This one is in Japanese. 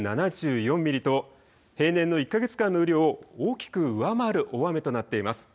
平年の１か月間の雨量を大きく上回る大雨となっています。